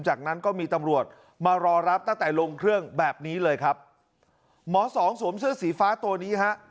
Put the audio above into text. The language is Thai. จากนั้นก็มีตำรวจมารอรับตั้งแต่ลงเครื่องแบบนี้เลยครับหมอสองสวมเสื้อสีฟ้าตัวนี้ฮะ